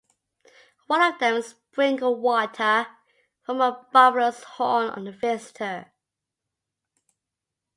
One of them sprinkled water from a buffalo’s horn on the visitor.